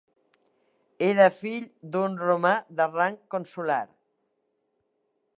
Era fill d'un romà de rang consular.